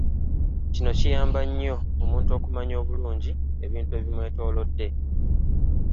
Kino kiyamba nnyo omuntu okumanya obulungi ebintu ebimwetoloodde.